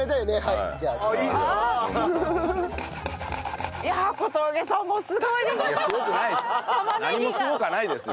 いやすごくないですよ。